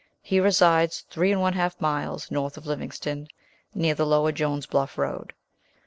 He resides three and one half miles north of Livingston, near the lower Jones' Bluff Road.